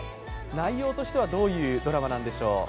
内容としては、どういうドラマなんでしょうか。